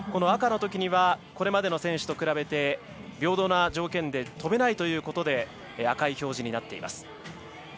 赤のときにはこれまでの選手と比べて平等な条件で飛べないということで赤い表示になっています。